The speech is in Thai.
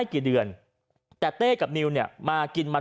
ก็ได้พลังเท่าไหร่ครับ